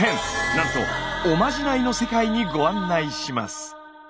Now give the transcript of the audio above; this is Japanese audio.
なんと「おまじない」の世界にご案内します。